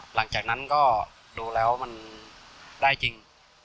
หลังจากนั้นก็ดูแล้วมันได้จริง